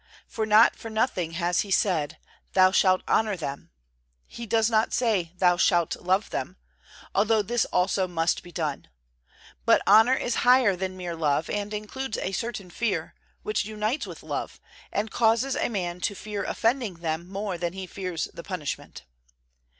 For not for nothing has He said: "Thou shalt honor them"; He does not say: "Thou shalt love them," although this also must be done. But honor is higher than mere love and includes a certain fear, which unites with love, and causes a man to fear offending them more than he fears the punishment.